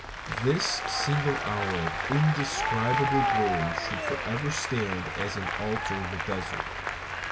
This single hour of indescribable glory should forever stand as an altar in the desert.